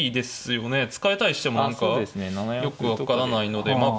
突かれたりしても何かよく分からないのでまあ